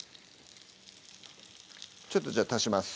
ちょっとじゃあ足します